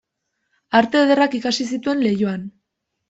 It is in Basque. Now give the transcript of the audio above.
Arte ederrak ikasi zituen Leioan.